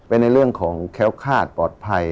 เป็นในเรื่องของแค้วคาดปลอดภัย